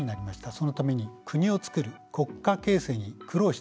そのために国を造る国家形成に苦労したわけです。